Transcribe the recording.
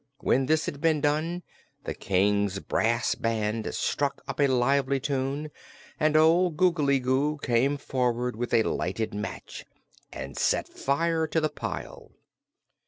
When this had been done, the King's brass band struck up a lively tune and old Googly Goo came forward with a lighted match and set fire to the pile.